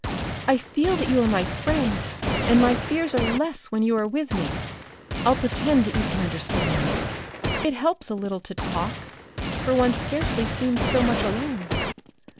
I feel that you are my friend, and my fears are less when you are with me. I'll pretend that you can understand me. It helps a little to talk, for one scarcely seems so much alone.